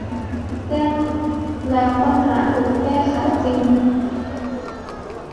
แจ้งแล้วปัญหาถูกแก้ไขจริง